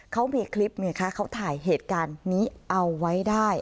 เขาเป็นคลิปเหมือนกันค่ะเขาถ่ายเหตุการณ์นี้เอาไว้ได้